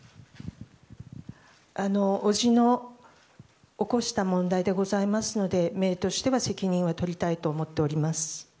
おじの起こした問題でございますのでめいとしては責任は取りたいと思っております。